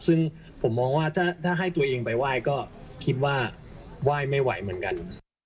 ซึ่งผมมองว่าถ้าให้ตัวเองไปไหว้ก็คิดว่าไหว้ไม่ไหวเหมือนกัน